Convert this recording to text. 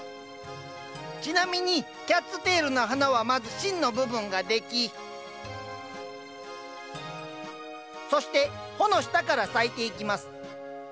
ちなみにキャッツテールの花はまず芯の部分ができそして穂の下から咲いていきます。